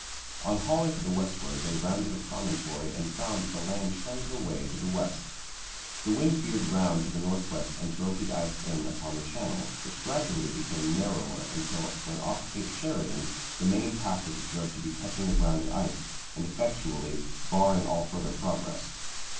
On hauling to the westward they rounded a promontory and found that the land trended away to the west. The wind veered round to the north west and drove the ice in upon the channel, which gradually became narrower until, when off Cape Sheridan, the main pack was observed to be touching the grounded ice and effectually barring all further progress.